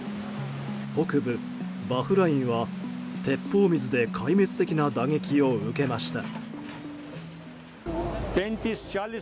北部バフラインは、鉄砲水で壊滅的な打撃を受けました。